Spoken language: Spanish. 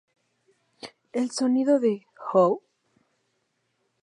El sonido de "How?